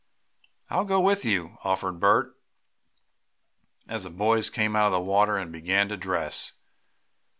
"I'll go with you," offered Bert, as the boys came out of the water, and began to dress.